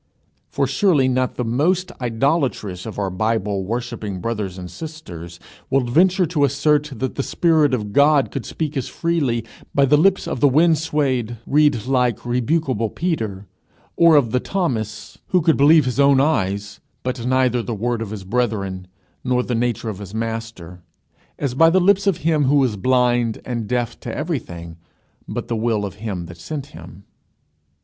For surely not the most idolatrous of our Bible worshipping brothers and sisters will venture to assert that the Spirit of God could speak as freely by the lips of the wind swayed, reed like, rebukable Peter, or of the Thomas who could believe his own eyes, but neither the word of his brethren, nor the nature of his Master, as by the lips of Him who was blind and deaf to everything but the will of him that sent him.